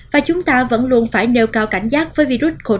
và chúng ta vẫn luôn phải nêu cao cảnh giác với virus khổ rụi